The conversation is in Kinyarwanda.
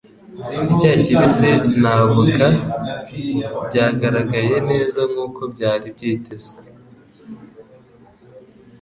Icyayi kibisi na avoka byagaragaye neza nkuko byari byitezwe.